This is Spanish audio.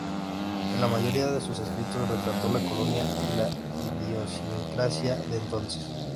En la mayoría de sus escritos retrató la Colonia y la idiosincrasia de entonces.